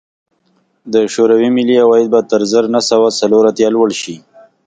د شوروي ملي عواید به تر زر نه سوه څلور اتیا لوړ شي